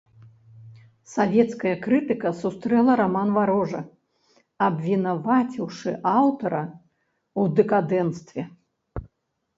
Савецкая крытыка сустрэла раман варожа, абвінаваціўшы аўтара ў дэкадэнцтве.